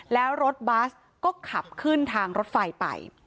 แล้วรถบัสก็ขับขึ้นทางรถไฟไป